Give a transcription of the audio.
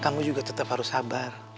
kamu juga tetap harus sabar